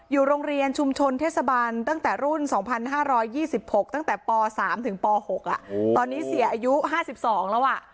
อยู่โรงเรียนชุมชนเทศบาลตั้งแต่รุ่น๒๕๒๖ตั้งแต่ป๓ถึงป๖ตอนนี้เสียอายุ๕๒แล้ว